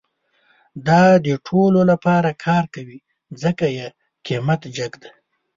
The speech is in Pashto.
دا د ټولو لپاره کار کوي، ځکه یې قیمت جیګ ده